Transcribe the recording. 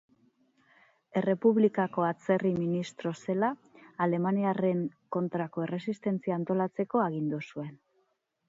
Errepublikako Atzerri ministro zela, alemaniarren kontrako erresistentzia antolatzeko agindu zuen.